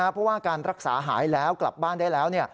เพราะว่าการรักษาหายแล้วกลับบ้านได้แล้ว